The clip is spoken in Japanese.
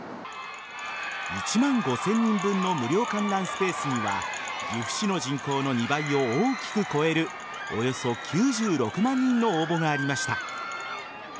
１万５０００人分の無料観覧スペースには岐阜市の人口の２倍を大きく超えるおよそ９６万人の応募がありました。